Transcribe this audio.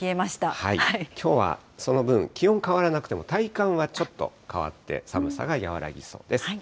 きょうはその分、気温変わらなくても、体感はちょっと変わって、寒さが和らぎそうです。